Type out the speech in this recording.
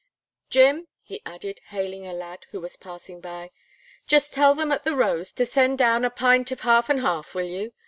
Jim," he added, hailing a lad who was passing by, "just tell them at the 'Rose' to send down a pint of half and half, will you?